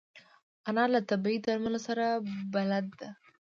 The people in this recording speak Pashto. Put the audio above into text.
انا له طبیعي درملو سره بلد ده